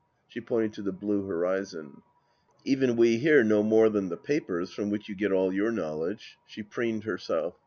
She pointed to the blue horizon. " Even we here know more than the papers from which you get all your knowledge." She preened herself.